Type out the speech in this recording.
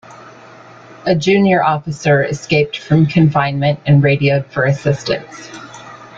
A junior officer escaped from confinement and radioed for assistance.